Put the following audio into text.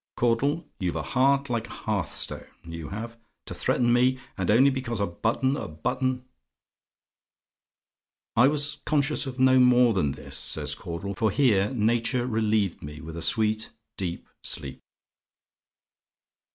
Caudle, you've a heart like a hearth stone, you have! To threaten me, and only because a button a button " "I was conscious of no more than this," says Caudle; "for here nature relieved me with a sweet, deep sleep."